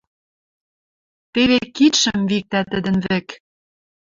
Теве кидшӹм виктӓ тӹдӹн вӹк.